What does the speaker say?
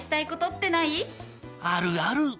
あるある！